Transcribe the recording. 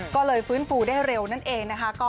ก็เลยฟื้นฟูได้เร็วนั่นเองนะคะ